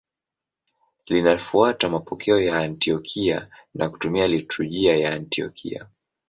Linafuata mapokeo ya Antiokia na kutumia liturujia ya Antiokia.